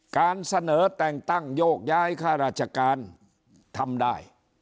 การเสนอแต่งตั้งโยกย้ายข้าราชการทำได้